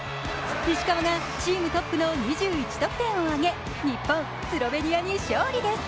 石川がチームトップの２１得点を挙げ日本、スロベニアに勝利です。